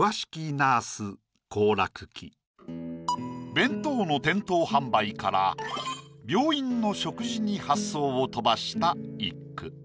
弁当の店頭販売から病院の食事に発想を飛ばした一句。